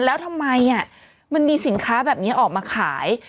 แล้วทำไมมันมีสินค้าแบบนี้ออกมาขาย